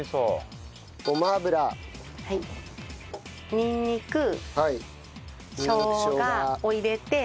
にんにくしょうがを入れて。